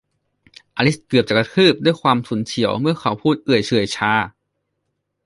อลิซเกือบจะกระทืบด้วยความฉุนเฉียวเมื่อเขาพูดเอื่อยเฉื่อยชา